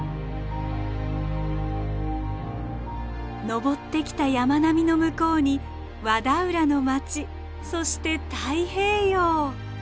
登ってきた山並みの向こうに和田浦の町そして太平洋。